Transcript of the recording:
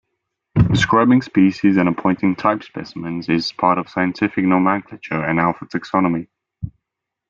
Describing species and appointing type specimens is part of scientific nomenclature and alpha taxonomy.